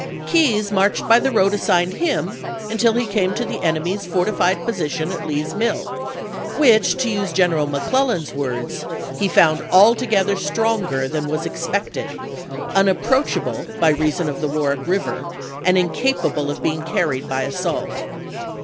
Keyes marched by the road assigned him until he came to the enemy's fortified position at Lee's Mill, which to use Greneral McClellan's words, "he found alto gether stronger than was expected, unapproachable vrt.' xi., by reason of the Warwick River, and incapable of pf 10." being carried by assault."